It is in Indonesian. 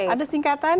ada singkatan ini